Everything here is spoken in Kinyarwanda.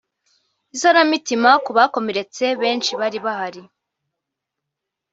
isanamitima ku bakomeretse benshi bari bahari